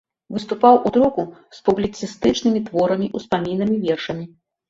Выступаў у друку з публіцыстычнымі творамі, успамінамі, вершамі.